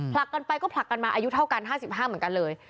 กันไปก็ผลักกันมาอายุเท่ากัน๕๕เหมือนกันเลย